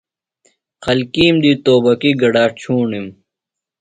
خلکیم دی توبکی گڈا چھوݨِم۔